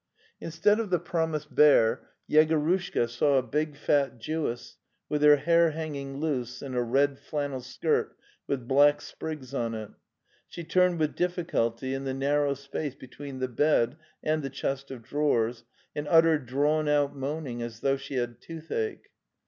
Instead of the promised bear, Yegorushka saw a big fat Jewess with her hair hanging loose, in a red flannel skirt with black sprigs on it; she turned with dificulty in the narrow space between the bed and the chest of drawers and uttered drawn out moaning as though she had toothache.